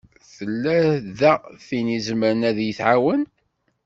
Tella da tin i izemren ad yi-tɛawen?